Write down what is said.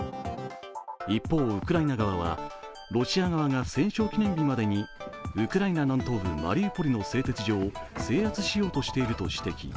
一方、ウクライナ側はロシア側が戦勝記念日までにウクライナ南東部マリウポリの製鉄所を制圧しようとしていると指摘。